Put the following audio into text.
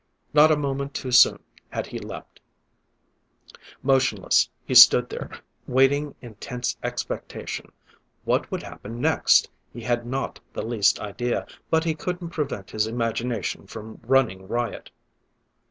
Not a moment too soon had he leaped. Motionless he stood there, waiting in tense expectation. What would happen next, he had not the least idea, but he couldn't prevent his imagination from running riot.